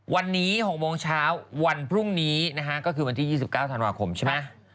วันนี้๖โมงเช้าวันพรุ่งนี้นะฮะก็คือวันที่๒๙ธันวาคมใช่ไหม